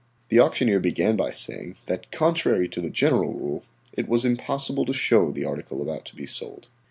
The auctioneer began by saying that contrary to the general rule it was impossible to show the article about to be sold.